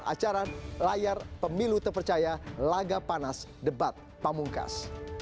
acara layar pemilu terpercaya laga panas debat pamungkas